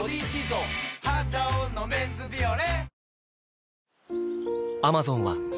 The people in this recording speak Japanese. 「肌男のメンズビオレ」